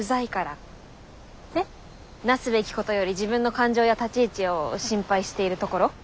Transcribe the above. なすべきことより自分の感情や立ち位置を心配しているところ？